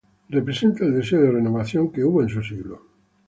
Representa el deseo de renovación que hubo en su siglo.